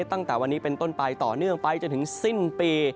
ตั้งแต่วันนี้เป็นต้นไปต่อเนื่องไปจนถึงสิ้นปี